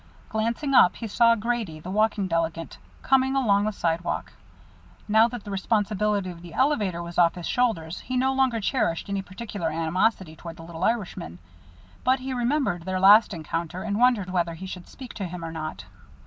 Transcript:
Glancing up, he saw Grady, the walking delegate, coming along the sidewalk. Now that the responsibility of the elevator was off his shoulders he no longer cherished any particular animosity toward the little Irishman, but he remembered their last encounter and wondered whether he should speak to him or not.